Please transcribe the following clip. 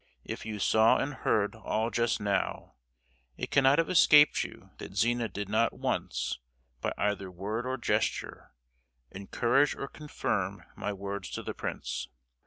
If you saw and heard all just now, it cannot have escaped you that Zina did not once, by either word or gesture, encourage or confirm my words to the prince?